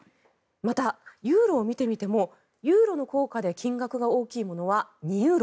また、ユーロを見てみてもユーロの硬貨で金額が大きいものは２ユーロ。